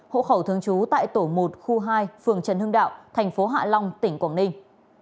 hỗ khẩu thương chú tại tổ một khu hai phường trần hưng đạo tp hạ long tỉnh quảng ninh